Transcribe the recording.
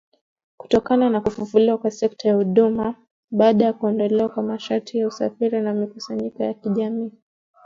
kutokana na kufufuliwa kwa sekta ya huduma, baada ya kuondolewa kwa masharti ya usafiri na mikusanyiko ya kijamii